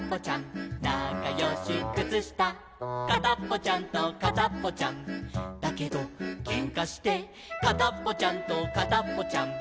なかよしくつした」「かたっぽちゃんとかたっぽちゃんだけどけんかして」「かたっぽちゃんとかたっぽちゃん」